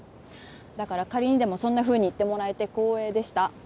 だから仮にでもそんなふうに言ってもらえて光栄でした